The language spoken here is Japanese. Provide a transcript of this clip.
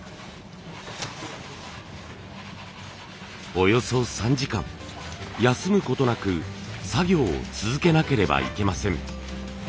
およそ３時間休むことなく作業を続けなければいけません。